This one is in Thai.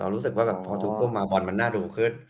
รู้สึกว่าพอถูเก่ามาบอลมันน่าดูครับ